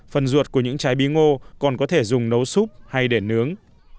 phần ruột của những trái bí ngô còn có thể dùng nấu súp hay để nướng